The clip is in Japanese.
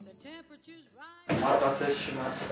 お待たせしました。